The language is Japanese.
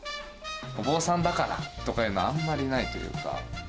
お坊さんだからというのはあんまりないというか。